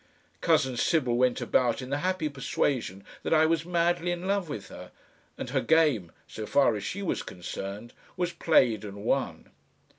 Cousin Sybil went about in the happy persuasion that I was madly in love with her, and her game, so far as she was concerned, was played and won.